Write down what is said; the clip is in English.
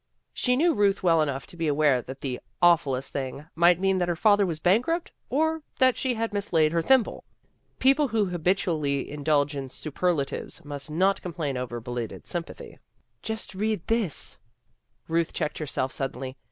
She knew Ruth well enough to be aware that the " awfullest thing " might mean that her father was bankrupt or that she had mislaid her thimble. People who habitually indulge in superlatives must not complain over belated sympathy. 150 RUTH IS PERPLEXED 151 " Just read this." Ruth checked herself suddenly.